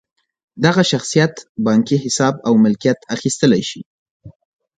دغه شخصیت بانکي حساب او ملکیت اخیستلی شي.